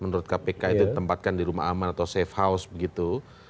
menurut kpk itu ditempatkan di rumah aman atau safe house begitu